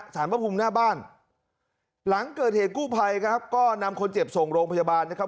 พระภูมิหน้าบ้านหลังเกิดเหตุกู้ภัยครับก็นำคนเจ็บส่งโรงพยาบาลนะครับ